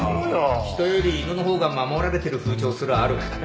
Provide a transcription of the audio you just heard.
人より犬のほうが守られてる風潮すらある。